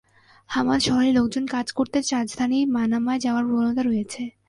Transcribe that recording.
Hamad শহরের লোকজন কাজ করতে রাজধানী মানামায় যাওয়ার প্রবণতা রয়েছে।